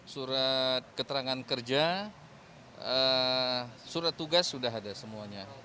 surat keterangan kerja surat tugas sudah ada semuanya